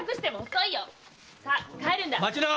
待ちな！